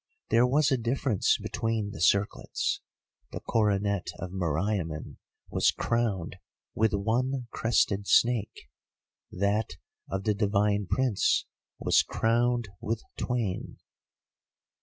There was a difference between the circlets, the coronet of Meriamun was crowned with one crested snake, that of the divine Prince was crowned with twain.